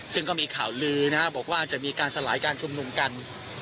ซึ่งก็มีข่าวลือนะครับบอกว่าจะมีการสลายการชุมนุมกัน